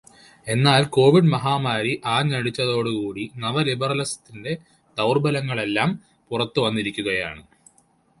എന്നാൽ, കോവിഡ് മഹാമാരി ആഞ്ഞടിച്ചതോട് കൂടി നവലിബറലിസത്തിന്റെ ദൗർബല്യങ്ങളെല്ലാം പുറത്തു വന്നിരിക്കുകയാണ്.